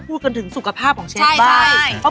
พูดไปกันถึงสุขภาพของเชฟด้านใกล้ใช่